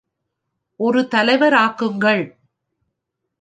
ஒரு தலைவராகுங்கள்!